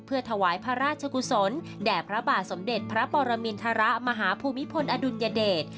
เพื่อถวายพระราชกุศลแด่พระบาทสมเด็จพระปรมินทรมาหาภูมิพลอดุลยเดช